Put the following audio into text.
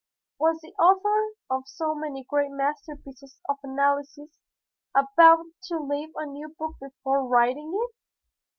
Was the author of so many great masterpieces of analysis about to live a new book before writing it?